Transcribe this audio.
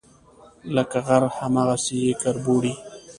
لکه غر، هغسي یې کربوڼی